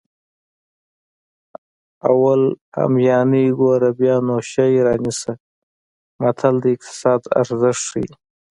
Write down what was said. اول همیانۍ ګوره بیا نو شی رانیسه متل د اقتصاد ارزښت ښيي